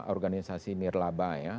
organisasi nirlaba ya